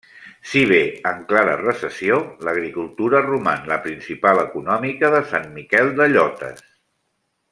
Si bé en clara recessió, l'agricultura roman la principal econòmica de Sant Miquel de Llotes.